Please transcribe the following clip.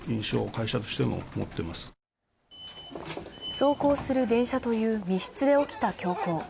走行する電車という密室で起きた凶行。